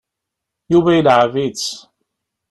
Yuba ileεεeb-itt.